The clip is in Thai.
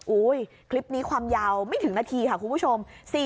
คลิปนี้ความยาวไม่ถึงนาทีค่ะคุณผู้ชม